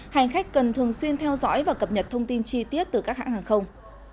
hành khách cần thường xuyên theo dõi và cập nhật thông tin chi tiết từ các hãng hàng không